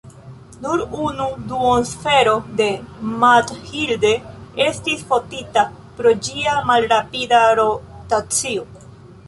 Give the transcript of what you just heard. Nur unu duonsfero de "Mathilde" estis fotita pro ĝia malrapida rotacio.